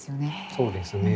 そうですね。